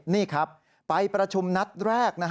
นี่ครับไปประชุมนัดแรก